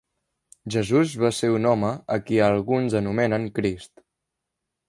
Jesús va ser un home a qui alguns anomenen Crist.